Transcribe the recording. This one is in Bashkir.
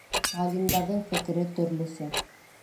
Ғалимдарҙың фекере төрлөсә.